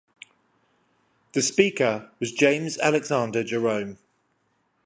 The Speaker was James Alexander Jerome.